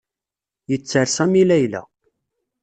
Yetter Sami Layla.